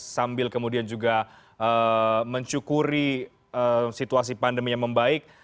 sambil kemudian juga mencukuri situasi pandemi yang membaik